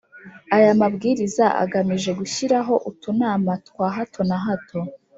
Aya mabwiriza agamije gushyiraho utunama twa hato na hato